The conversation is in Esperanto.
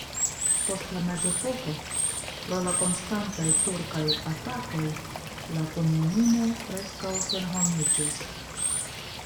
Post la mezepoko pro la konstantaj turkaj atakoj la komunumo preskaŭ senhomiĝis.